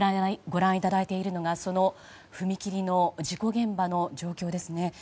ご覧いただいているのがその踏切の事故現場の状況ですね。